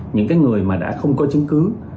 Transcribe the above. những người mà đã không có chứng cứ